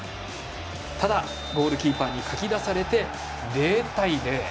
ただゴールキーパーにかき出されて０対０。